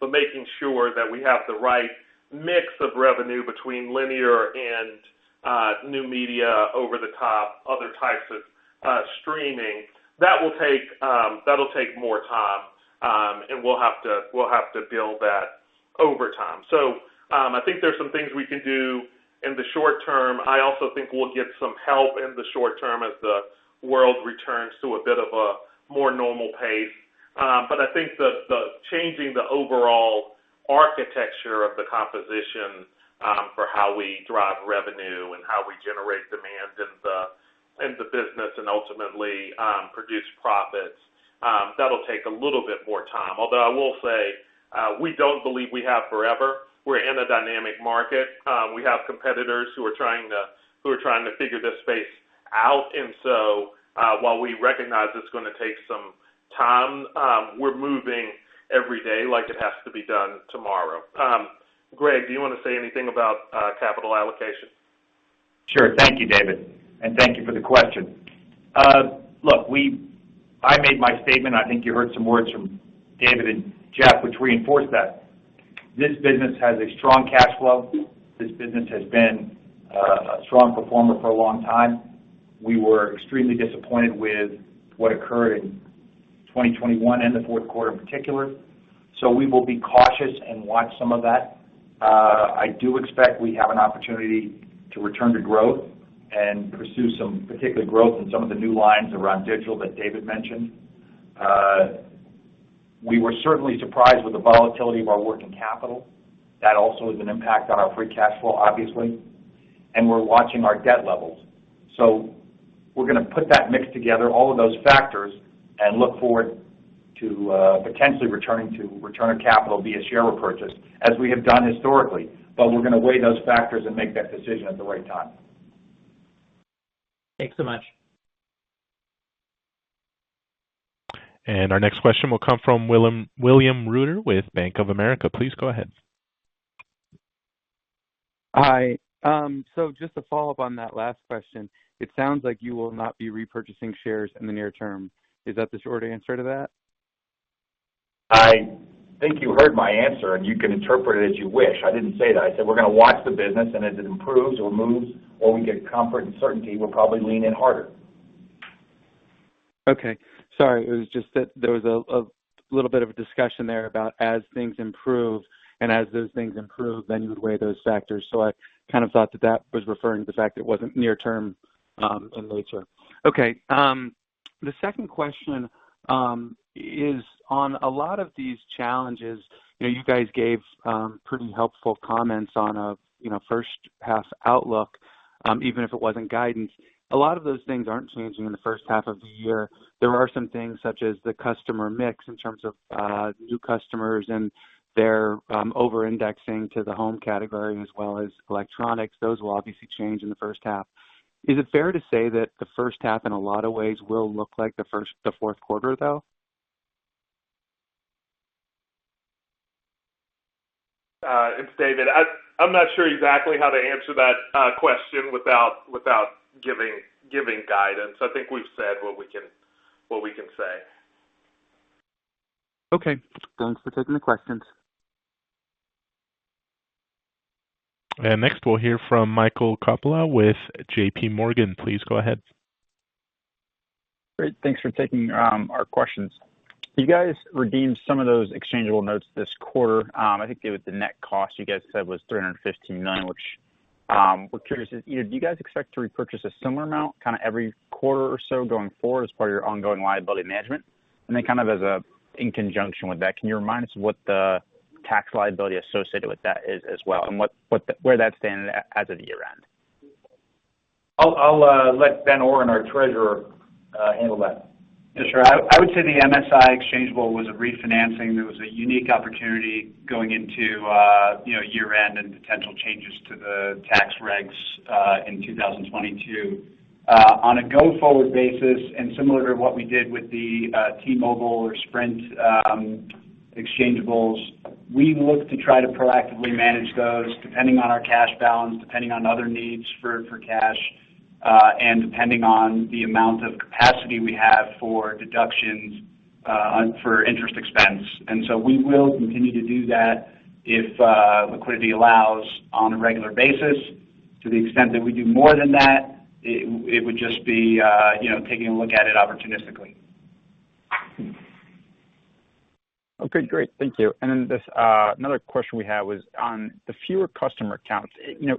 Making sure that we have the right mix of revenue between linear and new media over the top, other types of streaming, that will take more time. We'll have to build that over time. I think there's some things we can do in the short term. I also think we'll get some help in the short term as the world returns to a bit of a more normal pace. But I think the changing the overall architecture of the composition for how we drive revenue and how we generate demand in the business and ultimately produce profits, that'll take a little bit more time. Although I will say, we don't believe we have forever. We're in a dynamic market. We have competitors who are trying to figure this space out. While we recognize it's gonna take some time, we're moving every day like it has to be done tomorrow. Greg, do you wanna say anything about capital allocation? Sure. Thank you, David and thank you for the question. Look, I made my statement. I think you heard some words from David and Jeff which reinforce that. This business has a strong cash flow. This business has been a strong performer for a long time. We were extremely disappointed with what occurred in 2021 and the fourth quarter in particular, so we will be cautious and watch some of that. I do expect we have an opportunity to return to growth and pursue some particular growth in some of the new lines around digital that David mentioned. We were certainly surprised with the volatility of our working capital. That also has an impact on our free cash flow, obviously. We're watching our debt levels. We're gonna put that mix together, all of those factors and look forward to potentially returning to return on capital via share repurchase, as we have done historically. We're gonna weigh those factors and make that decision at the right time. Thanks so much. Our next question will come from William Reuter with Bank of America. Please go ahead. Hi. Just to follow up on that last question, it sounds like you will not be repurchasing shares in the near term. Is that the short answer to that? I think you heard my answer and you can interpret it as you wish. I didn't say that. I said we're gonna watch the business and as it improves or moves or we get comfort and certainty, we'll probably lean in harder. Okay. Sorry. It was just that there was a little bit of a discussion there about as things improve and as those things improve, then you would weigh those factors. I kind of thought that that was referring to the fact it wasn't near term and later. Okay, the second question is on a lot of these challenges, you know, you guys gave pretty helpful comments on a, you know, first half outlook, even if it wasn't guidance. A lot of those things aren't changing in the first half of the year. There are some things such as the customer mix in terms of new customers and their over-indexing to the home category as well as electronics. Those will obviously change in the first half. Is it fair to say that the first half in a lot of ways will look like the fourth quarter, though? It's David. I'm not sure exactly how to answer that question without giving guidance. I think we've said what we can say. Okay. Thanks for taking the questions. Next, we'll hear from Michael Coppola with JPMorgan. Please go ahead. Great. Thanks for taking our questions. You guys redeemed some of those exchangeable notes this quarter. I think it was the net cost you guys said was $315 million, which, we're curious if, you know, do you guys expect to repurchase a similar amount kinda every quarter or so going forward as part of your ongoing liability management? Then kind of in conjunction with that, can you remind us what the tax liability associated with that is as well and where that's standing as of the year-end? I'll let Ben Oren, our Treasurer, handle that. Yeah, sure. I would say the MSI exchangeable was a refinancing. There was a unique opportunity going into, you know, year-end and potential changes to the tax regs in 2022. On a go-forward basis and similar to what we did with the T-Mobile or Sprint exchangeables, we look to try to proactively manage those depending on our cash balance, depending on other needs for cash and depending on the amount of capacity we have for deductions for interest expense. We will continue to do that if liquidity allows on a regular basis. To the extent that we do more than that, it would just be, you know, taking a look at it opportunistically. Okay. Great. Thank you. This, another question we had was on the fewer customer accounts. You know,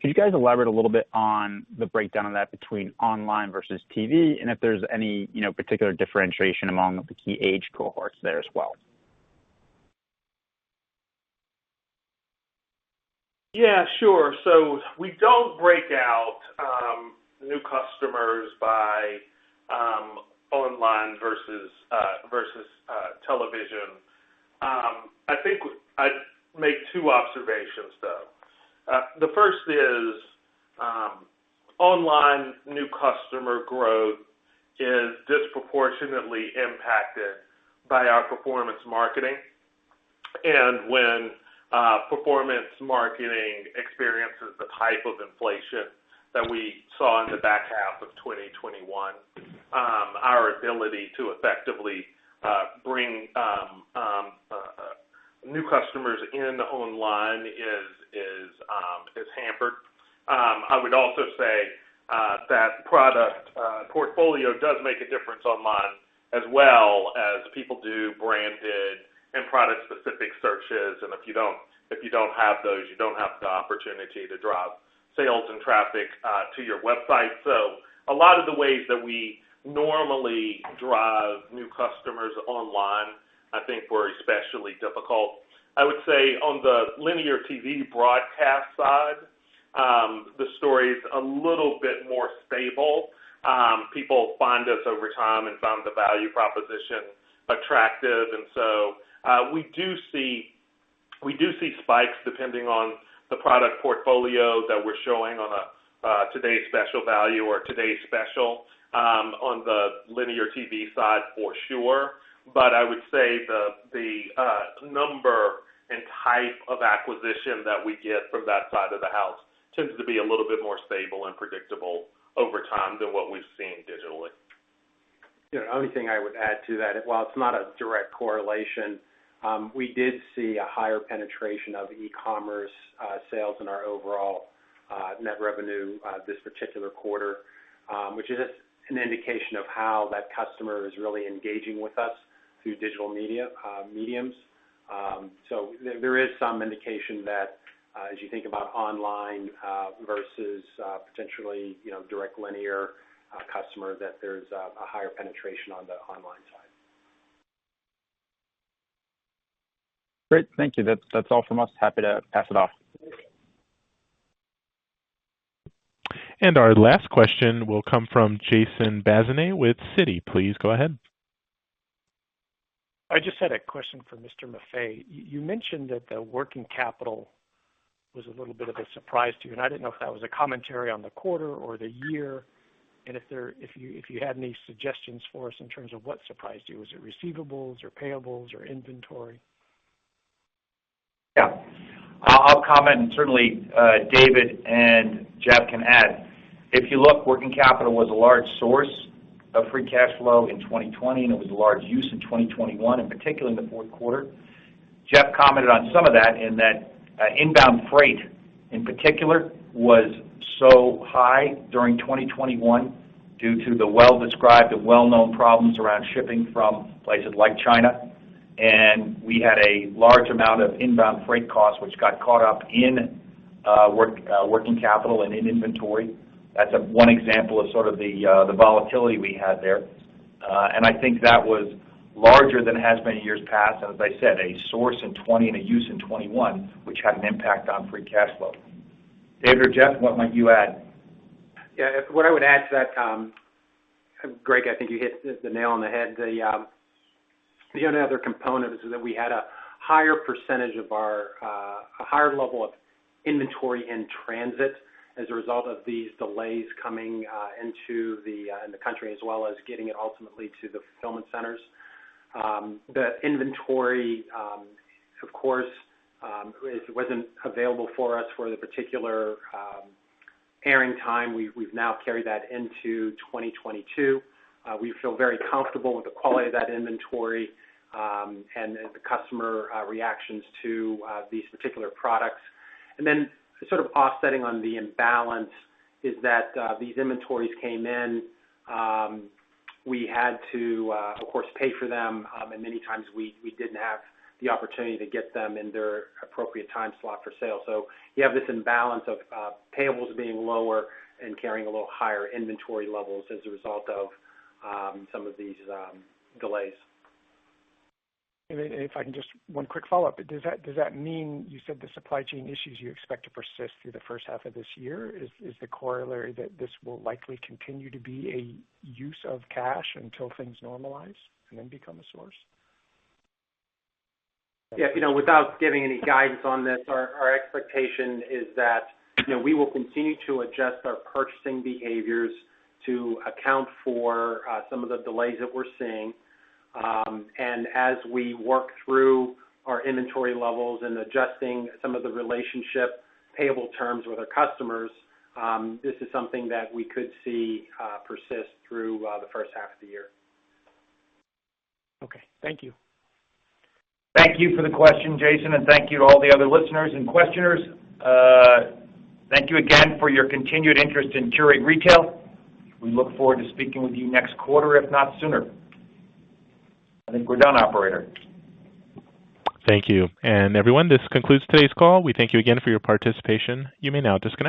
can you guys elaborate a little bit on the breakdown of that between online versus TV and if there's any, you know, particular differentiation among the key age cohorts there as well? Yeah, sure. We don't break out new customers by online versus television. I think I'd make two observations, though. The first is online new customer growth is disproportionately impacted by our performance marketing. When performance marketing experiences the type of inflation that we saw in the back half of 2021, our ability to effectively bring new customers in online is hampered. I would also say that product portfolio does make a difference online as well as people do branded and product-specific searches. If you don't- If you don't have those, you don't have the opportunity to drive sales and traffic to your website. A lot of the ways that we normally drive new customers online, I think were especially difficult. I would say on the linear TV broadcast side, the story's a little bit more stable. People find us over time and found the value proposition attractive. We do see spikes depending on the product portfolio that we're showing on a Today's Special Value or Today's Special on the linear TV side for sure. I would say the number and type of acquisition that we get from that side of the house tends to be a little bit more stable and predictable over time than what we've seen digitally. The only thing I would add to that, while it's not a direct correlation, we did see a higher penetration of e-commerce sales in our overall net revenue this particular quarter which is an indication of how that customer is really engaging with us through digital media mediums. There is some indication that, as you think about online versus potentially you know direct linear customer that there's a higher penetration on the online side. Great. Thank you. That's all from us. Happy to pass it off. Our last question will come from Jason Bazinet with Citi. Please go ahead. I just had a question for Mr. Maffei. You mentioned that the working capital was a little bit of a surprise to you and I didn't know if that was a commentary on the quarter or the year and if you had any suggestions for us in terms of what surprised you. Was it receivables or payables or inventory? Yeah. I'll comment and certainly David and Jeff can add. If you look, working capital was a large source of free cash flow in 2020 and it was a large use in 2021 and particularly in the fourth quarter. Jeff commented on some of that in that inbound freight, in particular, was so high during 2021 due to the well-described and well-known problems around shipping from places like China. We had a large amount of inbound freight costs which got caught up in working capital and in inventory. That's one example of sort of the volatility we had there. I think that was larger than it has been in years past. As I said, a source in 2020 and a use in 2021 which had an impact on free cash flow. David or Jeff, what might you add? Yeah. What I would add to that, Greg, I think you hit the nail on the head. The only other component is that we had a higher level of inventory in transit as a result of these delays coming into the country, as well as getting it ultimately to the fulfillment centers. The inventory, of course, it wasn't available for us for the particular airing time. We've now carried that into 2022. We feel very comfortable with the quality of that inventory and the customer reactions to these particular products. Sort of offsetting on the imbalance is that these inventories came in. We had to, of course, pay for them. Many times we didn't have the opportunity to get them in their appropriate time slot for sale. You have this imbalance of payables being lower and carrying a little higher inventory levels as a result of some of these delays. One quick follow-up. Does that mean you said the supply chain issues you expect to persist through the first half of this year? Is the corollary that this will likely continue to be a use of cash until things normalize and then become a source? Yeah. You know, without giving any guidance on this, our expectation is that, you know, we will continue to adjust our purchasing behaviors to account for some of the delays that we're seeing. As we work through our inventory levels and adjusting some of the relationship payable terms with our customers, this is something that we could see persist through the first half of the year. Okay. Thank you. Thank you for the question, Jason, and thank you to all the other listeners and questioners. Thank you again for your continued interest in Qurate Retail. We look forward to speaking with you next quarter, if not sooner. I think we're done, operator. Thank you. Everyone, this concludes today's call. We thank you again for your participation. You may now disconnect.